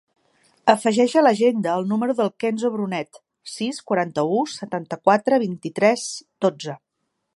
Afegeix a l'agenda el número del Kenzo Brunet: sis, quaranta-u, setanta-quatre, vint-i-tres, dotze.